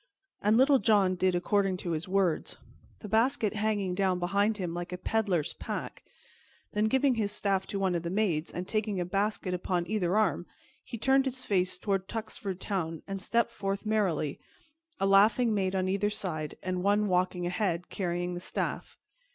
And Little John did according to his words, the basket hanging down behind him like a peddler's pack; then, giving his staff to one of the maids, and taking a basket upon either arm, he turned his face toward Tuxford Town and stepped forth merrily, a laughing maid on either side, and one walking ahead, carrying the staff.